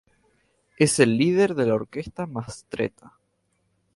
Es el líder de la orquesta Mastretta.